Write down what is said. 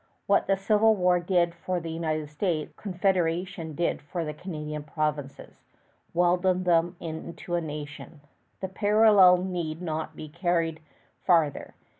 What the Civil War did for the United States, Confederation did for the Canadian provinces welded them into a nation. The parallel need not be carried farther.